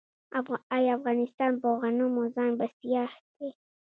آیا افغانستان په غنمو ځان بسیا دی؟